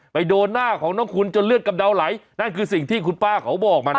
ไปโดนหน้าของน้องคุณจนเลือดกำเดาไหลนั่นคือสิ่งที่คุณป้าเขาบอกมานะ